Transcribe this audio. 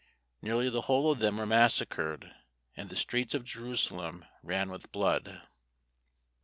Nearly the whole of them were massacred, and the streets of Jerusalem ran with blood.